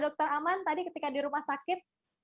dokter aman tadi ketika di rumah sakit